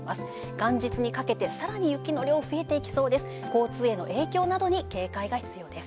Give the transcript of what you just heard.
元日にかけてさらに雪の量増えていきそうです。